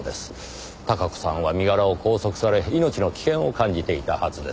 孝子さんは身柄を拘束され命の危険を感じていたはずです。